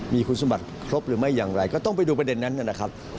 มีคุณสมบัติครบหรือไม่อย่างไรก็ต้องไปดูประเด็นนั้นนะครับ